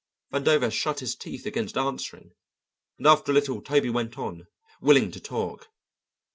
Vandover shut his teeth against answering, and after a little Toby went on, willing to talk.